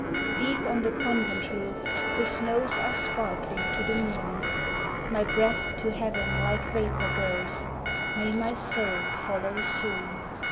Deep on the convent roof the snows Are sparkling to the moon: My breath to heaven like vapor goes: May my soul follow soon